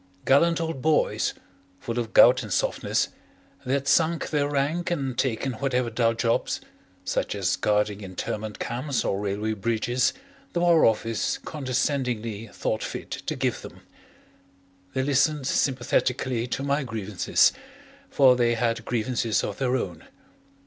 Gallant old boys, full of gout and softness, they had sunk their rank and taken whatever dull jobs, such as guarding internment camps or railway bridges, the War Office condescendingly thought fit to give them. They listened sympathetically to my grievances, for they had grievances of their own.